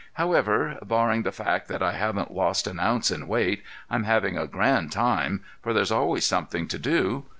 However, barring the fact that I haven't lost an ounce in weight, I'm having a grand time, for there's always something to do.